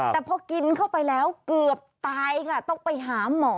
แต่พอกินเข้าไปแล้วเกือบตายค่ะต้องไปหาหมอ